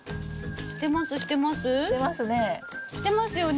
してますね。